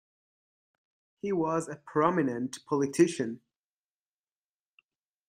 He was a prominent politician.